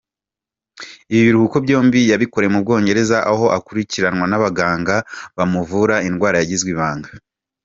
Ibi biruhuko byombi yabikoreye mu Bwongereza aho akurikiranwa n’ abaganga bamuvura indwara yagizwe ibanga.